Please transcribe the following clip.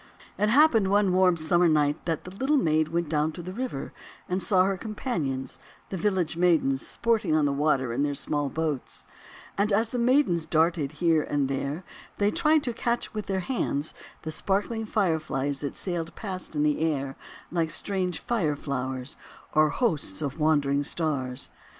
It happened one warm Summer night that the Little Maid went down to the river and saw her companions, the village maidens, sporting on the 176 THE WONDER GARDEN water in their small boats. And as the maidens darted here and there, they tried to catch with their hands the sparkling Fireflies that sailed past in the air like strange Fire Flowers or hosts of wandering Stars.